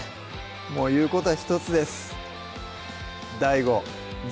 もう言うことは１つです